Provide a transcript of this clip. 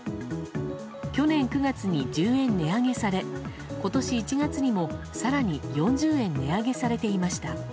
去年９月に１０円値上げされ今年１月にも更に４０円値上げされていました。